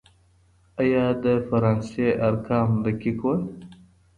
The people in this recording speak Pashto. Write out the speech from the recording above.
آيا د فرانسې ارقام دقيق وو؟